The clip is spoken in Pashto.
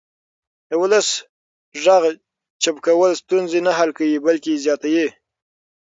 د ولس غږ چوپ کول ستونزې نه حل کوي بلکې زیاتوي